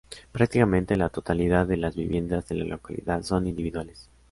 Prácticamente, la totalidad de las viviendas de la localidad son individuales.